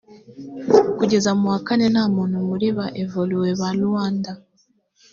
kugeza mu wa kane nta muntu muri ba evoluwe ba ruanda